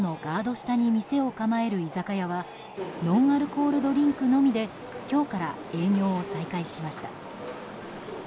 下に店を構える居酒屋はノンアルコールドリンクのみで今日から営業を再開しました。